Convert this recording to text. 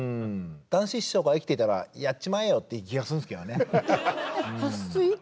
談志師匠が生きてたら「やっちまえよ」って言う気がするんですけどね。